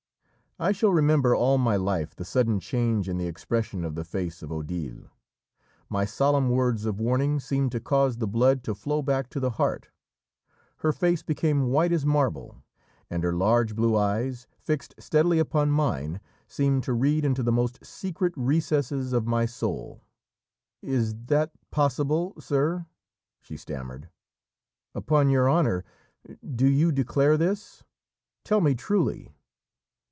I shall remember all my life the sudden change in the expression of the face of Odile. My solemn words of warning seemed to cause the blood to flow back to the heart; her face became white as marble, and her large blue eyes, fixed steadily upon mine, seemed to read into the most secret recesses of my soul. "Is that possible, sir?" she stammered; "upon your honour, do you declare this? Tell me truly!"